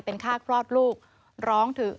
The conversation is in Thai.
เป็นค่าครอบครูลูก